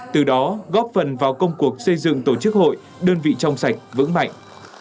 từ đó góp phần vào công cuộc xây dựng tổ chức hội đơn vị trong sạch vững mạnh